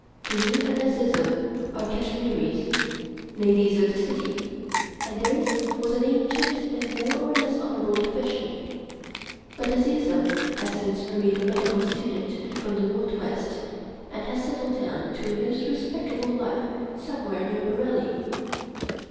Janoo and Azizun are Kash miris, Ladies of the City, and theirs was an ancient and more or less honorable profession; but Azizun has since married a medical student from the Northwest and has settled down to a most respectable life somewhere near Bareilly.